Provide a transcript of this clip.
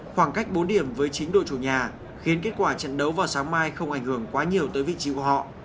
khoảng cách bốn điểm với chính đội chủ nhà khiến kết quả trận đấu vào sáng mai không ảnh hưởng quá nhiều tới vị trí của họ